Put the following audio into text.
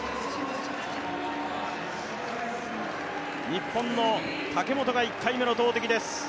日本の武本が１回目の投てきです。